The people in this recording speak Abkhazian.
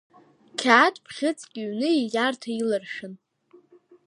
Қьаад бӷьыцк ҩны ииарҭа иларшәын…